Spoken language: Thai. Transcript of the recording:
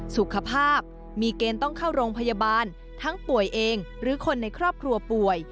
สุขภาพมีเกณฑ์ต้องเข้าโรงพยาบาลทั้งป่วยเองหรือคนในครอบครัวป่วย